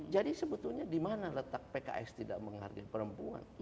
jadi sebetulnya di mana letak pks tidak menghargai perempuan